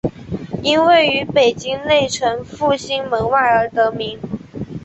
因位于北京内城复兴门外而得名。